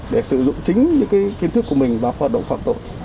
để sử dụng chính những kiến thức của mình và hoạt động hoạt tội